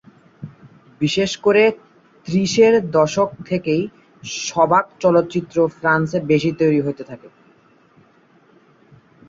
বিশেষ করে ত্রিশের দশক থেকেই সবাক চলচ্চিত্র ফ্রান্সে বেশি তৈরি হতে থাকে।